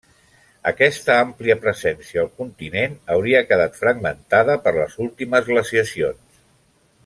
Aquesta àmplia presència al continent hauria quedat fragmentada per les últimes glaciacions.